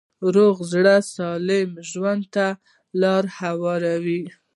روغ زړه سالم ژوند ته لاره هواروي.